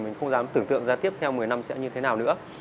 mình không dám tưởng tượng ra tiếp theo một mươi năm sẽ như thế nào nữa